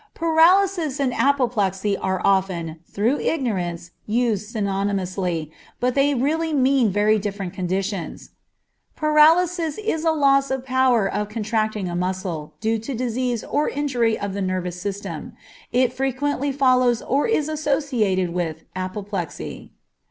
Paralysis and apoplexy are often, through ignorance, used synonymously, but they really mean very different conditions. Paralysis is a loss of power of contracting a muscle, due to disease or injury of the nervous system; it frequently follows or is associated with apoplexy.